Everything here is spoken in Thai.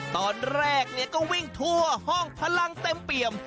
ตอนแรกก็วิ่งทั่วห้องพลังเต็มเปี่ยม